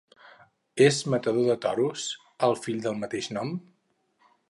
És matador de toros el fill del mateix nom.